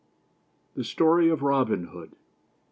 THE STORY OF ROBIN HOOD.